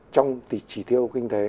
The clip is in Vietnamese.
trong chỉ thiêu kinh tế